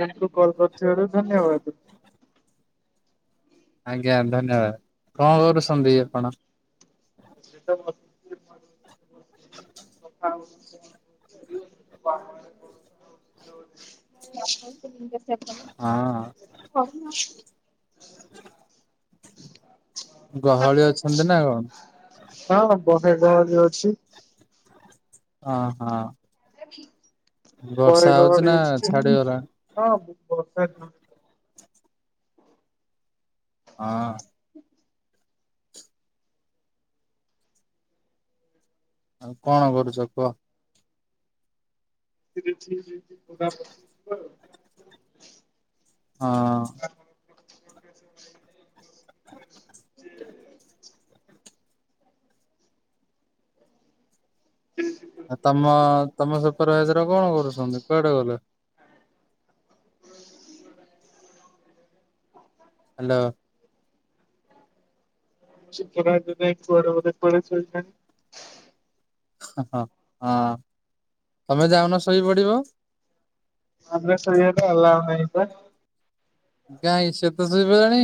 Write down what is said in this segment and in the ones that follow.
ଜ୍ଞା କଲ୍ କରିଥିବାରୁ ଧନ୍ୟବାଦ୍। ଆଜ୍ଞା, ଧନ୍ୟବାଦ। କଣ କରୁଛନ୍ତି ଆପଣ? ସେତ ବସି [inaudible] [unintelligible] [inaudible] ହଁ [inaudible] [unintelligible] ଗହଳି ଅଛନ୍ତି ନା କଣ? ହଁ। ବହେ ଗହଳି ବି ଅଛି। ଅ ହଁ। ବର୍ଷା ପରେର ହଉଛି ନା ଛାଡିଗଲାଣି? ହଁ ବହୁତ ବର୍ଷା। ହଁ। [unintelligible] ଆଉ କଣ କରୁଛ କୁହ? [inaudible] ହଁ। ଆ ତମ ତମ ସୁପର୍ ଭାଇଜର କଣ କରୁଛନ୍ତି କୁଆଡେ ଗଲେ? ହାଲୋ। ସୁପରଭାଇଜର କୁଆଡେ ବୋଲେ, କୁଆଡେ ଶୋଇଛନ୍ତି। ହଁ, ହଁ ତମେ ଯାଉନ ଶୋଇ ପଡିବ? ଆମେ ସୋଇବା ପାଇଁ ଆଲାଉ‌ ନାହିଁ ପା। ଗାଇଁ ସେ ତ ଶୋଇପଲାଣି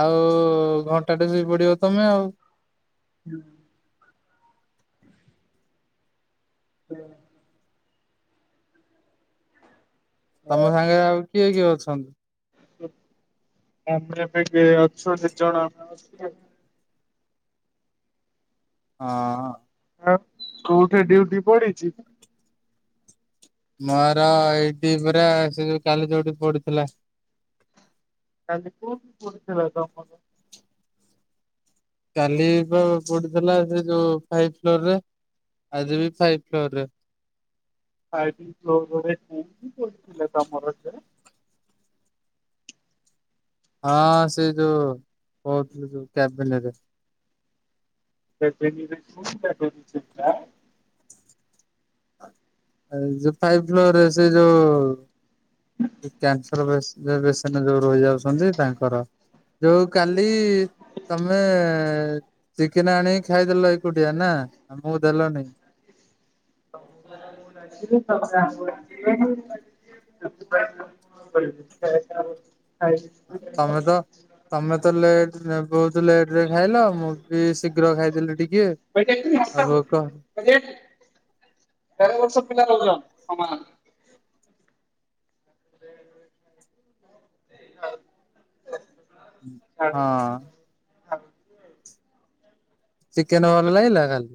ଆଉ ଉ -ଉ -ଉ -ଉ ଘଣ୍ଟା ଟେ ଶୋଇ ପଡିବ ତମେ ଆଉ। ହୁଁ। [inaudible] ତମ ସାଙ୍ଗରେ ଆଉ କିଏ କିଏ ଅଛନ୍ତି? ଆମେ ଏବେ ଏଠି ଅଛନ୍ତି ଦିଜଣ ଆମ ଅ ହଁ ଅଁ। ହ କୋଉଠି ଡ୍ୟୁଟି ପଡିଛି? ମୋର ଅଁ ଏଇଠି ପୁରା ସେ ଯୋଉ କାଲି ଯୋଉଠି ପଡୁଥିଲା। କାଲି କଉଠି ପଡିଥିଲା ତମର? କାଲିିବା ପଡୁଥିଲା ସେ ଯୋଉ ଫାଇଭ୍ ଫ୍ଲୋର୍ ରେ। ଆଜି ବି ଫାଇଭ୍ ଫ୍ଲୋର୍ ରେ। ଟି ଫ୍ଲୋର୍ ରଥିଲେ ତମର ସେ। ହଁ ସେ ଯୋଉ କହୁଥିଲି ଯୋଉଁ କ୍ୟଭିନ୍ ନିରେ। [inaudible] ଆଉ ଯୋଉଁ ଫାଇଭ୍ ଫ୍ଲୋର୍ ରେ ସେଇ ଯୋଉଁ। କ୍ୟାନସର ବେସ୍ ବସେଟ୍ ଯୋଉ ରହି ଯାଉଛନ୍ତି ତାଙ୍କର ଯୋଉ କାଲି ଇ -ଇ। ତମେ ଚିକେନ ଆଣିକି ଖାଇଦେଲ ଏକୁଟିଆ ନା ଆମକୁ ଦେଲନି। [inaudible] ତମେ ତ [inaudible] ତମେ ତ ଲେଟ ବହୁତ ଲେଟ ରେ ଖାଇଲ ମୁଁ ବି ଶୀଘ୍ର ଖାଇଥିଲି ଟିକେ। ଆଉ ଭୋକ [unintelligible] ସେ [unintelligible] ହଁ ହ ଚିକେନ ଭଲ ଲାଗିଲା କାଲି।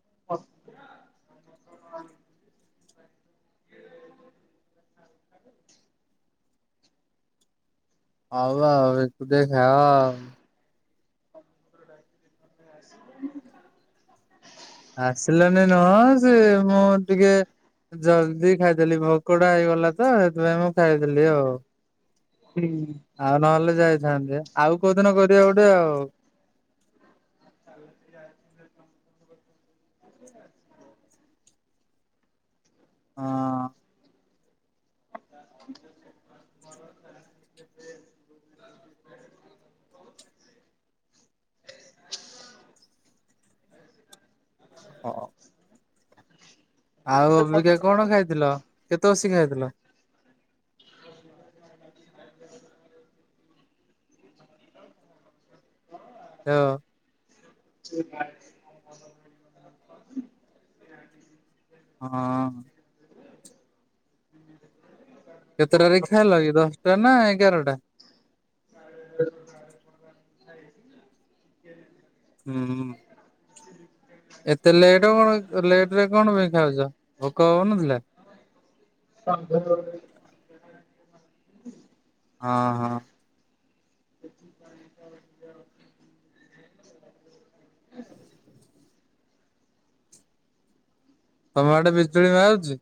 ହ [unintelligible] ହ ଆ ଉ ଆ ଆଉ ଏକୁଟିଆ ଖାଇବା। [unintelligible] ଆସିଲାନି ନହଁ ସେ ମୁଁ ଟିକେ ଜଲଦି ଖାଇଦେଲି, ଭୋକ ଟା ହେଇଗଲା ତ ସେଥିପାଇଁ ମୁଁ ଖାଇଦେଲି ଆଉ। ହୁଁ ଆଉ ନହେଲେ ଯାଇଥାନ୍ତେ ଆଉ କୋଉଦିନ କରିବା ଗୋଟେ ଆଉ। [unintelligible] ହଁ [unintelligible] [unintelligible] ହଁ ଆଉ ଅବିକା କଣ ଖାଇଥିଲ କେତେ ବସିକ ଖାଇଥିଲ? ହଁ ସେ ବା ଗରମ ହଁ କେତେଟାରେ ଖାଇଲ କି ଦଶଟା ନା ଏଗାରଟା? [unintelligible] ହୁଁ ଏତେ ଲେଟ କଣ ଲେଟ ରେ କଣ ପାଇଁ ଖାଉଛ? କଣ ବନଉଥିଲା? [unintelligible] ହଁ ହଁ [unintelligible] ତମଆଡ଼େ ବିଜୁଳି ବାହା ହଉଛି।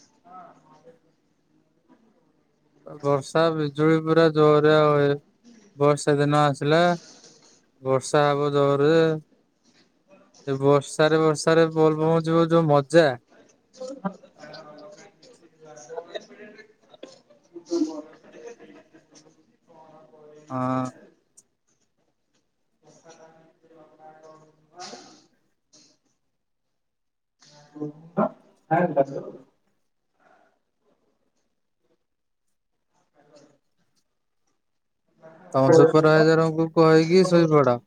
ହଁ ଆ [unintelligible] ବର୍ଷା ବିଜୁଳି ପୁରା ଜୋରରେ ଆଉ ଏ ବର୍ଷା ଦିନ ଆସିଲା। ବର୍ଷା ହବ ଜହରେ ସେ ବର୍ଷାରେ ବର୍ଷାରେ ବୋଲବମ ଯିବୁ ଯୋଉ ମଜା ହଁ ହ [unintelligible] ହଁ [unintelligible] ତମ ସୁପରଭାଇଜରଙ୍କୁ କହିକି ଶୋଇପଡ଼।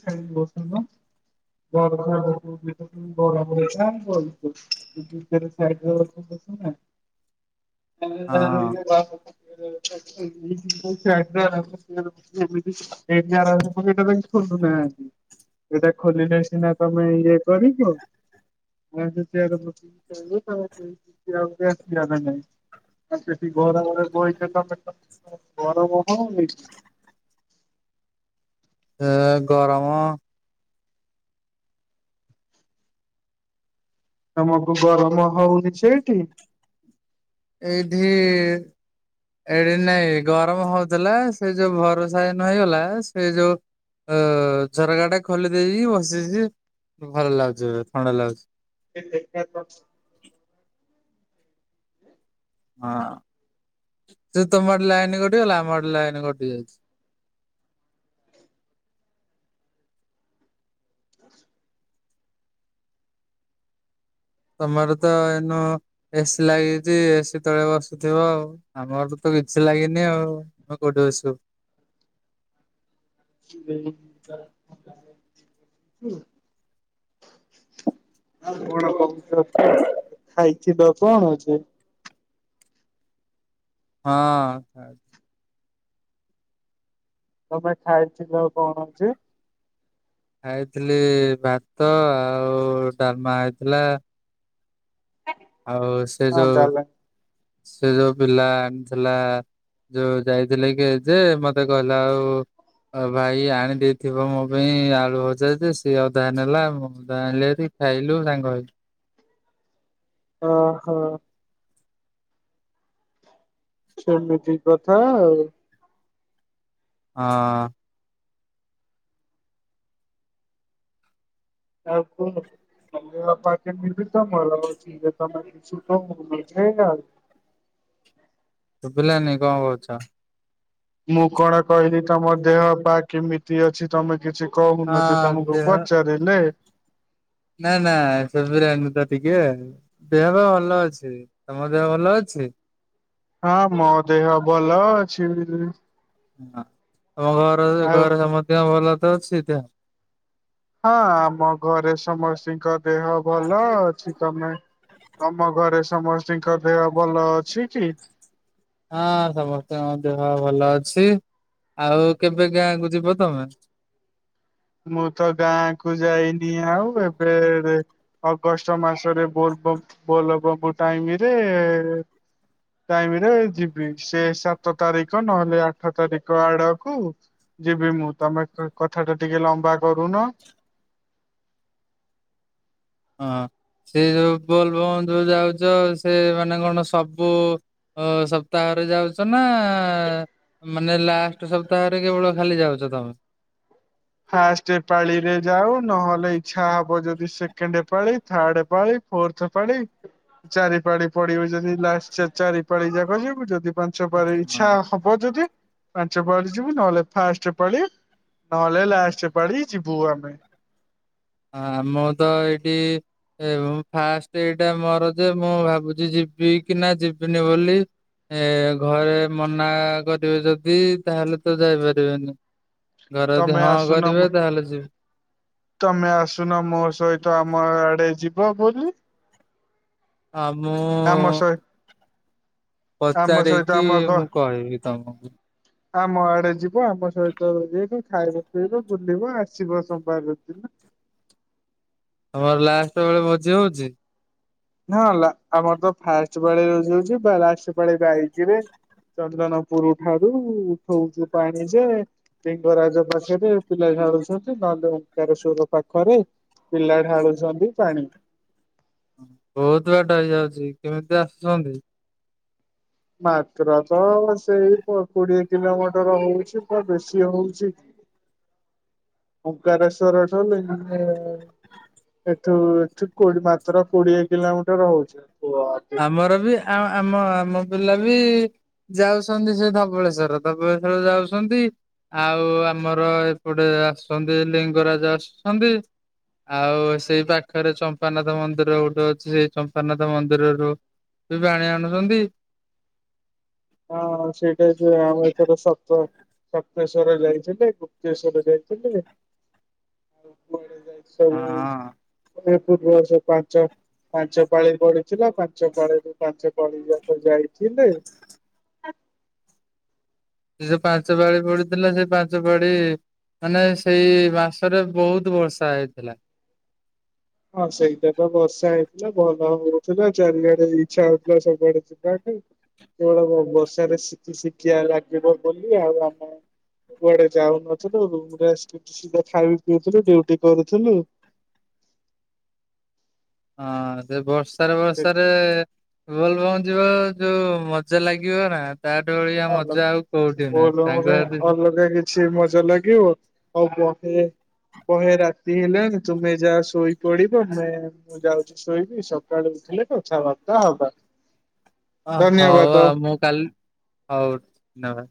[unintelligible] [unintelligible] [unintelligible] [unintelligible] [unintelligible] [unintelligible] [inaudible] ହଁ ଏଇଟା ଖୋଲିଲେ ସିନା ତମେ ଇଏ କରିଚ [inaudible] ଆଉ ସେଠି ଘରେ ଘରେ ବହିଚ ତମେ ତ ଗରମ ହଉନି? ଏ ଗରମ ତମକୁ ଗରମ ହଉନି ସେଇଠି? ଏଇଠି ଏଠି ନାଇଁ ଗରମ ହଉଥିଲା। ସେ ଯୋଉ ବରଷା ନ ହେଇଗଲା ସେ ଯୋଉ ଅ ଝରକା ଟା ଖୋଲି ଦେଇକି ବସିଚି ଭଲ ଲାଗୁଚି ଏବେ ଥଣ୍ଡା ଲାଗୁଚି। [unintelligible] ହଁ ଯେ ତମଆଡେ ଲାଇନ କଟି ଗଲା? ଆମଆଡେ ଲାଇନ କଟି ଯାଇଚି। ତମର ତ ଏନ ଏସିି ଲାଗିଚି ଏସିି ତଳେ ବସୁଥିବ ଆଉ। ଆମର ତ ତ କିଛି ଲାଗିନି ଆଉ। ମଆଉ କଉଠି ବସିବୁ? [unintelligible] ଆଉ କଣ କରୁଚ? ଖାଇଥିଲ କଣ ଅଛି? ହଁ। ତମେ ଖାଇଥିଲ କଣ ହଉଚି? ଖାଇଥିଲି ଭାତ ଆଉ ଡାଲମା ହେଇଥିଲା। ଆଉ ସେ ହଁ ଯୋଉ ତାହେଲେ ସେ ଯୋଉ ପିଲା ଆଣିଥିଲା ଯୋଉ ଯାଇଥିଲେ କି ଏଯେ ମତେ କହିଲା ଆଉ ଆଉ ଭାଇ ଆଣି ଦେଇଥିବ ମୋ ପାଇଁ ଆଳୁ ଭଜା ଯେ ସିଏ ଅଧା ନେଲା ମୁଁ ଅଧା ଆଣିଲି ହେରି। ଖାଇଲୁ ସାଙ୍ଗ ହେଇକି। ଓହୋ। ସେମିତି କଥା ଆଉ। ହଁ। ଆଉ କୁହ। [unintelligible] ସୁଭିଲାନି କଣ କହୁଚ? ମୁଁ କଣ କହିଲି ତମ ଦେହ ପାହ କେମିତ ତି ଅଛି। ତମେ କିଛି କହୁନ ଯେ ହଁ ତମକୁ ଦେହ ପଚାରିଲେ। ନା ନା ସୁବିଲାନି ତ ଟିକେ। ଦେହ ତ ଭଲ ଅଛି। ତମ ଦେହ ଭଲ ଅଛି? ହଁ ମୋ ଦେହ ଭଲ ଅଛି। ହଁ ତମ ଘର ଆଉ ଘରେ ହଁ ସମସ୍ତିଙ୍କ ଭଲ ତ ଅଛି ଦେହ? ହଁ ଆମ ଘରେ ସମସ୍ତିଙ୍କ ଦେହ ଭଲ ଅଛି। ତମେ ତମ ଘରେ ସମସ୍ତିଙ୍କ ଦେହ ଭଲ ଅଛି କି? ହଁ ସମସ୍ତଙ୍କ ଦେହ ଭଲ ଅଛି। ଆଉ କେବେ ଗାଁକୁ ଯିବ ତମେ? ମୁଁ ତ ଗାଁ କୁ ଯାଇନି ଆଉ ଏବେ ଏବେ ଅଗଷ୍ଟ ମାସରେ ବୋଲବମ୍ବ୍ ବୋଲବମ୍ବ୍ ଟାଇମିରେ ଟାଇମିରେ ଯିବି। ସେ ସାତ ତାରିଖ ନହେଲେ ଆଠ ତାରିଖ ଆଡକୁ ଯିବି ମୁଁ। ତମେ କଥା ଟା ଟିକେ ଲମ୍ବା କରୁନ। ହଁ, ସେ ଯୋଉ ବୋଲ୍ ବମ୍ ଯୋଉ ଯାଉଛ ସେ ମାନେ କଣ ସବୁ ଓ ସପ୍ତାହରେ ଯାଉଛ ନା ମାନେ ଲାଷ୍ଟ୍ ସପ୍ତାହରେ କେବଳ ଖାଲି ଯାଉଛ ତମେ? ଫାଷ୍ଟ ପାଳିରେ ଯାଉ, ନହେଲେ ଇଚ୍ଛା ହବ ଯଦି ସେକେଣ୍ଡେପାଳି ଥାର୍ଡ ପାଳି। ଫୋର୍ଥ ପାଳି, ଚାରି ପାଳି ପଡିବ, ଯଦି ଲାଷ୍ଟ ଚାରି ପାଳି ଯାକ ଯିବୁ ଯଦି ପାଞ୍ଚ ପାଳି ହଁ ଇଛା ହବ ଯଦି ପାଞ୍ଚ ପାଳି ଯିବୁ, ନହେଲେ ଫାଷ୍ଟ ପାଳି। [unintelligible] ଲାଷ୍ଟ ପାଳି ଯିବୁ ଆମେ। ଆମ ତ ଏଇଠି ଏ ଫାଷ୍ଟ ଏଇଟା ମୋର ଯେ, ମୁଁ ଭାବୁଛି ଯିବି କି ନା ଯିବିନି ବୋଲି। ଏ ଘରେ ମନା କରିବେ ଯଦି ତାହେଲେ ତ ଯାଇପାରିବିନି। ଘରେ ତମେ ଯଦି ହଁ ଆସୁନ ମ କରିବେ, ତାହେଲେ ଯିବି। ତମେ ଆସୁନ, ମୋ ସହିତ ଆମ ଆଡେ ଯିବ ବୋଲି। ଆ ମୁଁ ଆମ ସହି ଆମ ସହିତ ପଚାରକି ଆମ ଘ ମୁଁ କହିବି ତମକୁ। ଆମ ଆଡେ ଯିବ, ଆମ ସହିତ ଜିବୁ ଖାଇବ ଶୋଇବ, ବୁଲିବ, ଆସିବ ସୋମବାର ଦିନ। ତମର ଲାଷ୍ଟ ବେଳେ ଭୋଜି ହଉଛି? ହଁ, ଆମର ତ ଫାଷ୍ଟ ପାଳିରେ ଯାଉଛୁ, ଲାଷ୍ଟ ପାଳିରେ ଯାଇଥିବେ। ଚନ୍ଦନପୁର ଠାରୁ ଉଠଉଛୁ ପାଣି ଯେ ଲିଙ୍ଗରାଜ ପାଖରେ ପିଲା ଢାଳୁଛନ୍ତି, ନହେଲେ ଓଙ୍କେଶ୍ୱର ପାଖରେ ପିଲା ଢାଳୁଛନ୍ତି ପାଣି। ବହୁତ ବାଟ ହେଇଯାଉଛି, କେମିତି ଆସୁଛନ୍ତି? ମାତ୍ର ତ ସେଇ କୋଡିଏ କିଲୋମିଟର ହଉଛି, ବେଶୀ ହଉଛି। ଓଙ୍କେଶ୍ଵର ଅଛ ଏଠୁ ଏଠୁ କୋ ମାତ୍ର କୋଡିଏ କିଲୋମିଟର ହଉଛି। [inaudible] ଆମର ବି ଆମ ଆମ ପିଲା ବି ଯାଉଛନ୍ତି ସେ ଧବଳେଶ୍ଵର ଧବଳେଶ୍ଵର ଯାଉଛନ୍ତି। ଆଉ ଆମର ଏପଟେ ଆସୁଛନ୍ତି ଲିଙ୍ଗରାଜ ଆସୁଛନ୍ତି। ଆଉ ସେଇ ପାଖରେ ଚମ୍ପାରାନାଥ ମନ୍ଦିର ଗୋଟେ ଅଛି। ସେଇ ଚମ୍ପାନାଥ ମନ୍ଦିର ମନ୍ଦିରରୁ [inaudible] ଆଣୁଛନ୍ତି। ହଁ, ସେଇଟା ବି ଆମ [inaudible] ସପ୍ତେଶ୍ଵର ଯାଇଥିଲୁ, ଗୁପ୍ତେଶ୍ଵର ଯାଇଥିଲୁ। ହଁ [inaudible] [inaudible] ପାଞ୍ଚ ପାଞ୍ଚ ପାଳି ପଡି ଥିଲା ପାଞ୍ଚ ପାଳରୁ ପାଞ୍ଚ ପାଳି ଯାକ ଯାଇଥିଲୁ। ସେ ଯୋଉ ପାଞ୍ଚ ପାଳି ପଡିଥିଲା, ସେଇ ପାଞ୍ଚ ପାଳି ମାନେ ସେଇ ମାସରେ ବହୁତ ବର୍ଷା ହେଇଥିଲା। ହଁ, ସେଇଟା ତ ବର୍ଷା ହେଇଥିଲା, [inaudible] ହଉଥିଲା, ଚାରିଆଡେ ଇଚ୍ଛା ହଉଥିଲା ସବୁଆଡେ ଯିବାକୁ। ବେଳେ ବେଳେ ବର୍ଷାରେ ଶିଖି ଶିଖିବା ଲାଗିବ ବୋଲି ଆଉ ଆମେ କୁଆଡେ ଯାଉନଥିଲୁ, ରୁମରେ [inaudible] ସିଧା ଖାଇ ପିଉଥିଲୁ ଡିଉଟି କରୁଥିଲୁ। ହଁ, ବର୍ଷାରେ ସେଠି ବର୍ଷାରେ ବୋଲ ବୋମ୍ ଜିବାକୁ ମଜା ଲାଗିବ ନା। ତାଠୁ ଭଳିଆ ଅଲଗା ମଜା ଆଉ କୋଉଠି ନାହିଁ, ବୋଲବମରେ ସାଙ୍ଗ ସାଥି। ଅଲଗା କିଛି ମଜା ଲାଗିବ, ଆଉ ବେ କହେ ରାତି ହେଲେ, ତୁମେ ଯାହା ଶୋଇପଡିବ, ମୁ ମୁଁ ଯାଉଛି ଶୋଇବି ସକାଳୁ ଉଠିଲେ କଥାବାର୍ତ୍ତା ହବା। ଅ ହଉ ଧନ୍ୟବାଦ। ଆଉ ମୁଁ କାଲି ହଉ ଧନ୍ୟବାଦ।